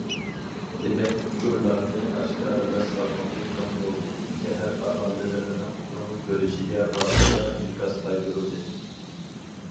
دېمەك، ئۇچۇرلارنى ئاشكارىلاش سالمىقى چوڭ بولدى، شەھەر ئاھالىلىرىنىڭ كۆڭۈل بۆلۈشىگە ۋاقتىدا ئىنكاس قايتۇرۇلدى.